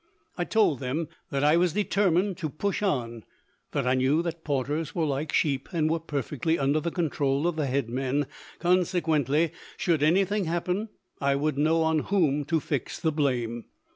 I told them that I was determined to push on; that I knew that porters were like sheep and were perfectly under the control of the head men; consequently, should anything happen, I would know on whom to fix the blame.